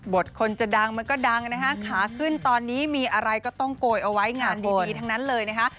คนจะดังมันก็ดังนะคะขาขึ้นตอนนี้มีอะไรก็ต้องโกยเอาไว้งานดีทั้งนั้นเลยนะคะ